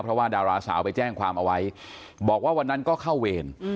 เพราะว่าดาราสาวไปแจ้งความเอาไว้บอกว่าวันนั้นก็เข้าเวร